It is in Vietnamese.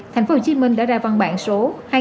tp hcm đã ra văn bản số hai nghìn bảy trăm tám mươi chín